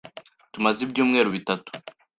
Tumaze ibyumweru bitatu.